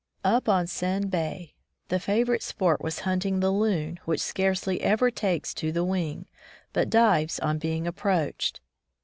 Up on Seine Bay the favorite sport was hunting the loon, which scarcely ever takes to the wing, but dives on being approached.